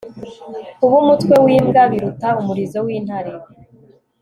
kuba umutwe wimbwa biruta umurizo wintare